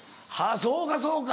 そうかそうか。